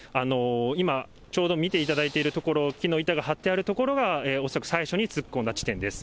今、ちょうど見ていただいている所、木の板が貼ってあるところが、恐らく最初に突っ込んだ地点です。